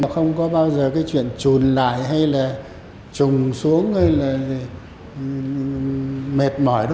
không có bao giờ cái chuyện trùn lại hay là trùng xuống hay là mệt mỏi đâu